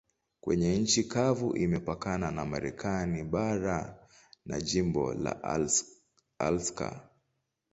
Kwenye nchi kavu imepakana na Marekani bara na jimbo la Alaska.